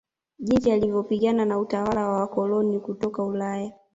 Jinsi alivyopingana na utawala wa waakoloni kutoka Ulaya